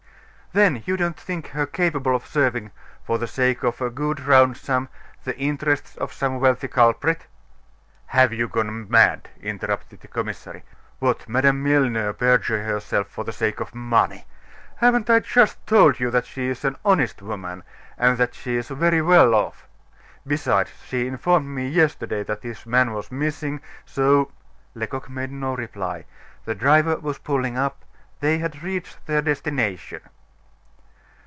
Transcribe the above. "Then you don't think her capable of serving, for the sake of a good round sum, the interests of some wealthy culprit?" "Have you gone mad?" interrupted the commissary. "What, Madame Milner perjure herself for the sake of money! Haven't I just told you that she is an honest woman, and that she is very well off! Besides, she informed me yesterday that this man was missing, so " Lecoq made no reply; the driver was pulling up; they had reached their destination.